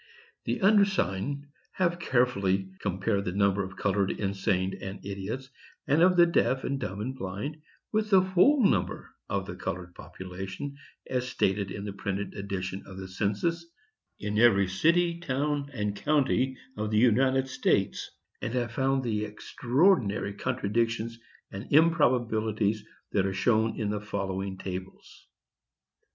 "The undersigned have carefully compared the number of colored insane and idiots, and of the deaf and dumb and blind, with the whole number of the colored population, as stated in the printed edition of the census, in every city, town, and county of the United States; and have found the extraordinary contradictions and improbabilities that are shown in the following tables.